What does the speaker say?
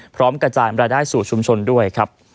พร้อมกระจายรายได้สู่ชุมชนด้วยครับ